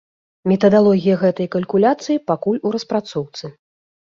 Метадалогія гэтай калькуляцыі пакуль у распрацоўцы.